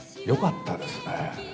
よかったですね。